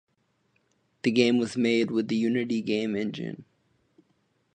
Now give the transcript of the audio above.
The game was made with the Unity game engine.